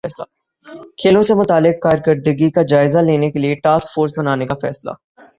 کھیلوں سے متعلق کارکردگی کا جائزہ لینے کیلئے ٹاسک فورس بنانے کا فیصلہ